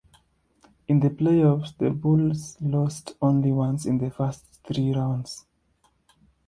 In the playoffs, the Bulls lost only once in the first three rounds.